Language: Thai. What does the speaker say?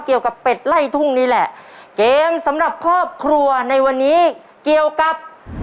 เป็ดไล่ทุ่งนี่แหละเกมสำหรับครอบครัวในวันนี้เกี่ยวกับ